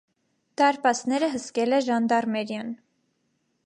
Դարպասները հսկել է ժանդարմերիան։